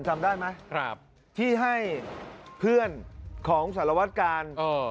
จำได้ไหมครับที่ให้เพื่อนของสารวัตการณ์เอ่อ